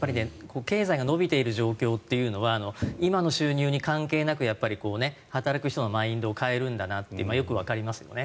経済が伸びている状況というのは今の収入に関係なく働く人のマインドを変えるんだなとよくわかりますよね。